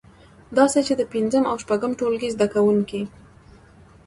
داسې چې د پنځم او شپږم ټولګي زده کوونکی